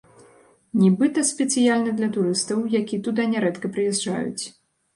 Нібыта, спецыяльна для турыстаў, які туды нярэдка прыязджаюць.